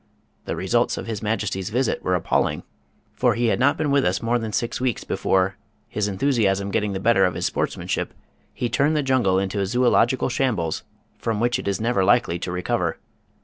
The results of His Majesty's visit were appalling, for he had not been with us more than six weeks before his enthusiasm getting the better of his sportsmanship he turned the jungle into a zoological shambles, from which it is never likely to recover.